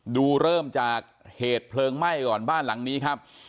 ดูเริ่มจากเหตุเพลิงไหม้ก่อนบ้านหลังนี้ครับ